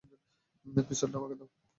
পিস্তলটা আমাকে দাও!